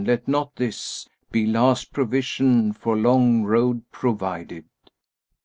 Let not this * Be last provision for long road provided!"